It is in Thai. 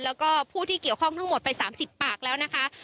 แล้วก็ผู้ที่เกี่ยวข้องทั้งหมดไป๓๐ปากแล้วนะคะ